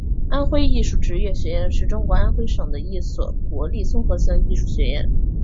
安徽艺术职业学院是中国安徽省的一所国立综合性艺术学院。